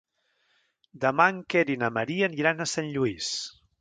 Demà en Quer i na Maria aniran a Sant Lluís.